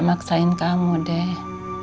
maksain kamu deh